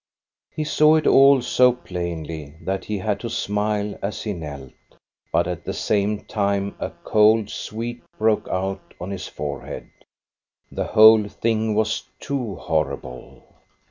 , He saw it all so plainly that he had to smile as he knelt, but at the same time a cold sweat broke out on his forehead. The whole thing was too horrible.